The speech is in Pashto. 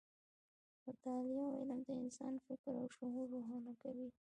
مطالعه او علم د انسان فکر او شعور روښانه کوي.